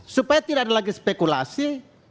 supaya tidak ada lagi spekulasi